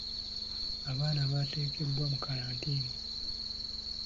Abantu bateekebwa mu kkalantiini.